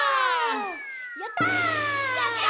「やったー！！」